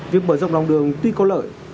việc mở rộng lòng đường tuy có lợi